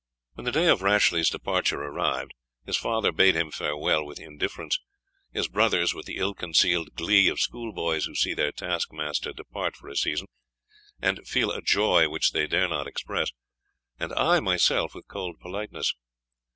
When the day of Rashleigh's departure arrived, his father bade him farewell with indifference; his brothers with the ill concealed glee of school boys who see their task master depart for a season, and feel a joy which they dare not express; and I myself with cold politeness.